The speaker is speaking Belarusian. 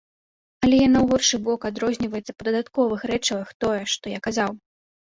Але яна ў горшы бок адрозніваецца па дадатковых рэчывах, тое, што я казаў.